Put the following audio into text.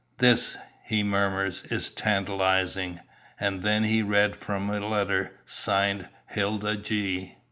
"This," he murmurs, "is tantalising." And then he read from a letter, signed "Hilda G